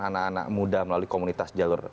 anak anak muda melalui komunitas jalur